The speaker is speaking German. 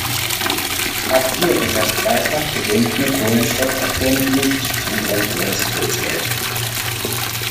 Auch hier wird das dreifach gebundene Kohlenstoffatom "nicht" zum Grundgerüst gezählt.